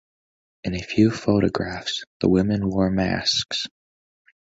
In a few photographs the women wore masks.